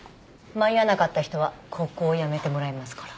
間に合わなかった人はここを辞めてもらいますから。